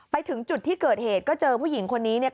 ไปถึงจุดที่เกิดเหตุก็เจอผู้หญิงคนนี้เนี่ย